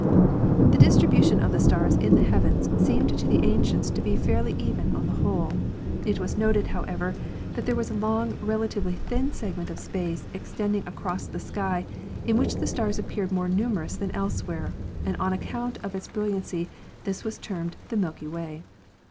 The distribution of the stars in the heavens seemed to the ancients to be fairly even on the whole. It was noted, however, that there was a long, relatively thin segment of space extending across the sky in which the stars appeared more numerous than elsewhere, and on account of its brilliancy this was termed the "Milky Way."